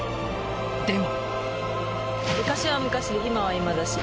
でも。